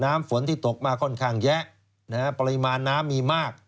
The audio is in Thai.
น้ำฝนที่ตกมาค่อนข้างแยะนะฮะปริมาณน้ำมีมาก